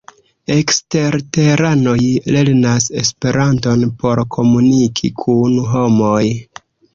Eksterteranoj lernas Esperanton por komuniki kun homoj.